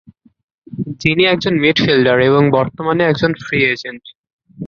যিনি একজন মিডফিল্ডার এবং বর্তমানে একজন ফ্রি এজেন্ট।